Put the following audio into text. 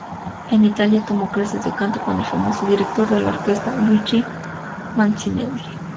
En Italia tomó clases de canto con el famoso director de orquesta Luigi Mancinelli.